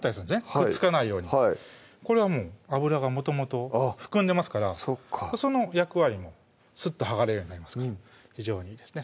くっつかないようにこれはもう油がもともと含んでますからその役割もすっと剥がれるようになりますから非常にいいですね